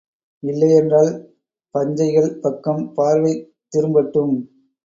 இல்லையென்றால், பஞ்சைகள் பக்கம் பார்வை திரும் பட்டும்.